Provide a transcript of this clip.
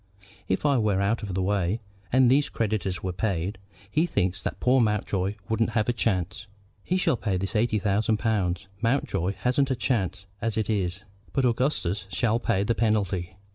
If I were out of the way, and these creditors were paid, he thinks that poor Mountjoy wouldn't have a chance. He shall pay this eighty thousand pounds. Mountjoy hasn't a chance as it is; but Augustus shall pay the penalty."